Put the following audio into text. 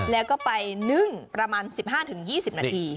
แล้วก็ไปนึ่งประมาณ๑๕๒๐นาที